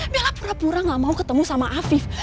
bella pura pura tidak mau ketemu dengan hafif